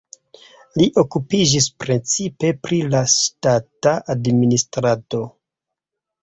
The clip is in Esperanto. Li okupiĝis precipe pri la ŝtata administrado.